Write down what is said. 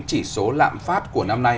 chỉ số lạm phát của năm nay